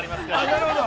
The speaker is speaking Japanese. ◆なるほど。